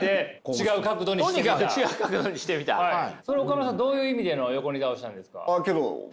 岡村さんどういう意味での横に倒したんですか？